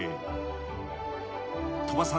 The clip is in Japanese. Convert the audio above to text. ［鳥羽さん